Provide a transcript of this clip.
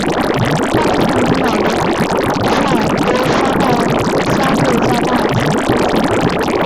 大部份蚁鸟的喙都相对较大及重型。